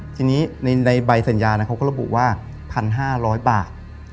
ทีนี้ในใบสัญญาเขาก็ระบุว่า๑๕๐๐บาท